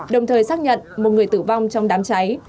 đồng thời xác nhận một người tử vong trong đám cháy